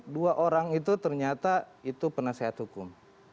dua orang itu ternyata itu penasehat hukum